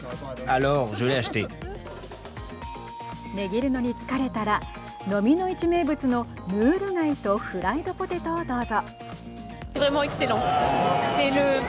値切るのに疲れたらのみの市名物のムール貝とフライドポテトをどうぞ。